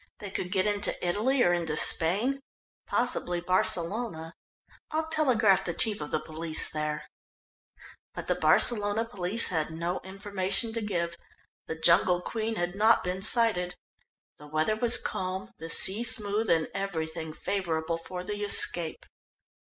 "They could get into Italy or into Spain, possibly Barcelona. I will telegraph the Chief of the Police there." But the Barcelona police had no information to give. The Jungle Queen had not been sighted. The weather was calm, the sea smooth, and everything favourable for the escape.